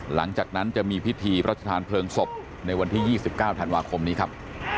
หลังจากนั้นจะมีพิธีพระชธานเพลิงศพในวันที่๒๙ธันวาคมนี้ครับ